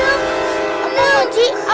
otomatik memberi tebi pecahan